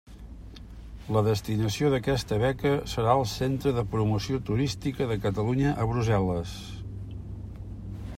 La destinació d'aquesta beca serà el Centre de Promoció Turística de Catalunya a Brussel·les.